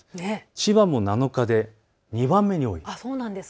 千葉も７日で２番目に多い。